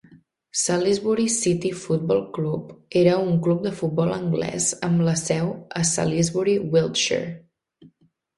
Salisbury City Football Club era un club de futbol anglès amb seu a Salisbury, Wiltshire.